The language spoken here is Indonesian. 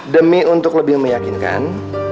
demi untuk lebih meyakinkan